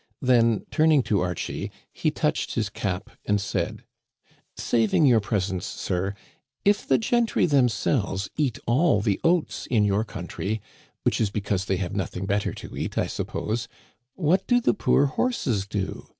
Then, turning to Archie, he touched his cap and said :" Saving your presence, sir, if the gentry themselves eat all the oats in your country, which is because they have nothing better to eat, I suppose, what do the poor horses do